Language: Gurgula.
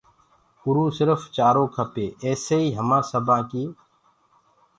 اُروُ سرڦ چآرو کپي ايسيئيٚ همآن سبآن ڪي